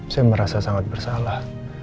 saya merasa sangat bersalah